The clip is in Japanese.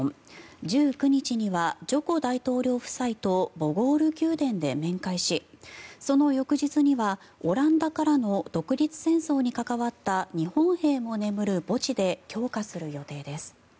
１９日にはジョコ大統領夫妻とボゴール宮殿で面会しその翌日にはオランダからの独立戦争に関わった日本兵も眠る墓地で供花する予定です。